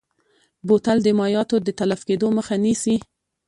بوتل د مایعاتو د تلف کیدو مخه نیسي.